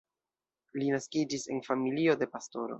Li naskiĝis en familio de pastoro.